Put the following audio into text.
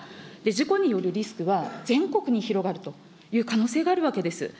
事故によるリスクは、全国に広がるという可能性があるわけです。